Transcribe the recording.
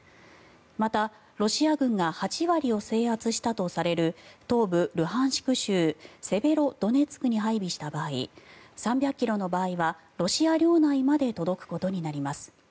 また、ロシア軍が８割を制圧したとされる東部ルハンシク州セベロドネツクに配備した場合３００ｋｍの場合はロシア領内まで届くことになります。